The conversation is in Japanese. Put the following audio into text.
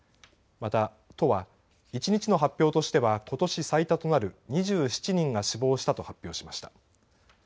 また都は１日の発表としてはことし最多となる２７人が死亡したと発表しました。